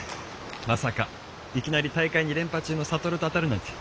まさかいきなり大会２連覇中の智と当たるなんて。